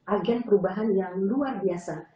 agen perubahan yang luar biasa